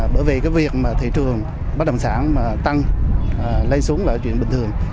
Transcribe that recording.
bởi vì cái việc thị trường bắt đồng sản tăng lây xuống là chuyện bình thường